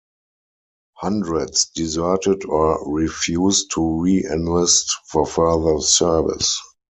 Hundreds deserted or refused to re-enlist for further service.